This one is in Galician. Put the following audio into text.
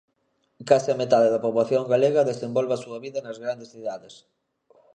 Case a metade da poboación galega desenvolve a súa vida nas grandes cidades.